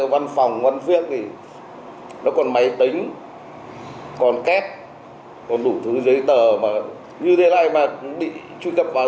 văn phòng ngoan viên thì nó còn máy tính còn két còn đủ thứ giấy tờ mà như thế này mà bị truy cập vào